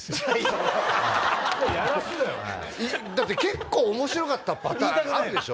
結構面白かったパターンあるでしょ？